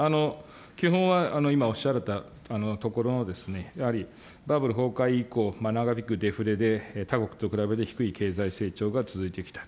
基本は今おっしゃられたところの、やはりバブル崩壊以降、長引くデフレで他国と比べて低い経済成長が続いてきた。